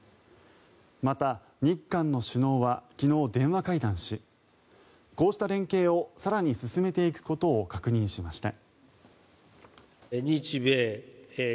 また、日韓の首脳は昨日、電話会談しこうした連携を更に進めていくことを確認しました。